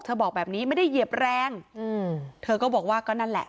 บอกแบบนี้ไม่ได้เหยียบแรงอืมเธอก็บอกว่าก็นั่นแหละ